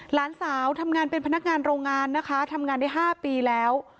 หลานสาวทำงานเป็นพนักงานโรงงานนะคะทำงานได้๕ปีแล้ว